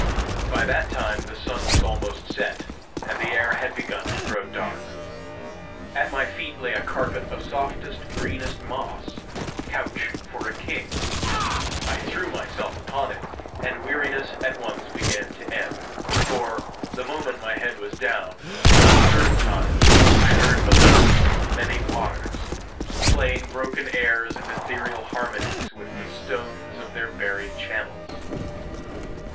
By that time the sun was almost set, and the air had begun to grow dark. At my feet lay a carpet of softest, greenest moss, couch for a king: I threw myself upon it, and weariness at once began to ebb, for, the moment my head was down, the third time I heard below me many waters, playing broken airs and ethereal harmonies with the stones of their buried channels.